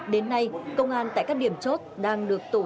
đến nay công an tại các điểm chốt đang được tổ chức